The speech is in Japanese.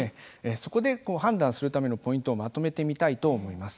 そこで判断するためのポイントをまとめてみたいと思います。